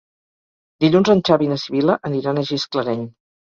Dilluns en Xavi i na Sibil·la aniran a Gisclareny.